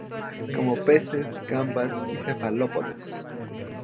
Come peces, gambas y cefalópodos.